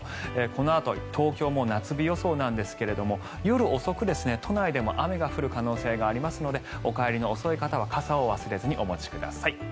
このあと東京も夏日予想なんですけれども夜遅く、都内でも雨が降る可能性がありますのでお帰りの遅い方は傘を忘れずにお持ちください。